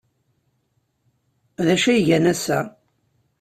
D acu ay gan ass-a?